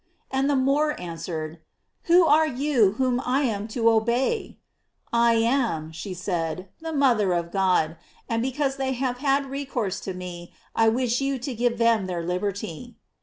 And the Moor an swered: "Who are you whom I am to obey?" UI am," said she, "the mother of God; and because they have had recourse to me, I wish you to give them their liberty."